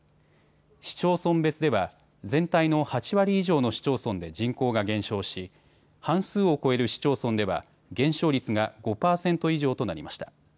市町村別では全体の８割以上の市町村で人口が減少し、半数を超える市町村では減少率が５％以上となりました。